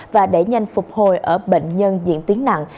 và đẩy nhanh phục hồi ở bệnh nhân diễn tiến nặng